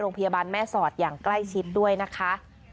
โรงพยาบาลแม่สอดอย่างใกล้ชิดด้วยนะคะ